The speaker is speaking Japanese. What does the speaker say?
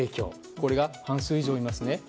これが半数以上いますね。